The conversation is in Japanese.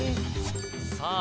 さあ